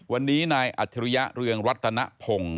วันนี้นายอัจฉริยะเรืองรัตนพงศ์